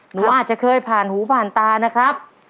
หนูอาจจะเคยผ่านหูผ่านตานะครับ